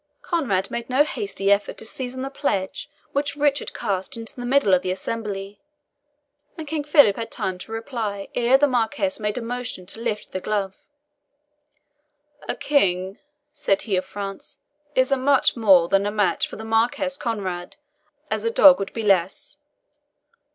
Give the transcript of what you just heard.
Conrade made no hasty effort to seize on the pledge which Richard cast into the middle of the assembly, and King Philip had time to reply ere the marquis made a motion to lift the glove. "A king," said he of France, "is as much more than a match for the Marquis Conrade as a dog would be less.